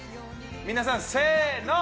皆さんせーの。